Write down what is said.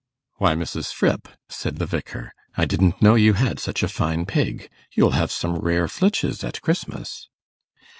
'Why, Mrs. Fripp,' said the Vicar, 'I didn't know you had such a fine pig. You'll have some rare flitches at Christmas!